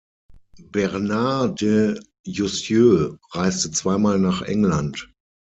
Bernard de Jussieu reiste zweimal nach England.